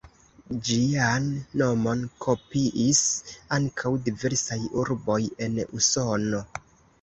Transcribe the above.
Ĝian nomon kopiis ankaŭ diversaj urboj en Usono.